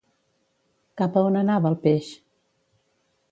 Cap a on anava el peix?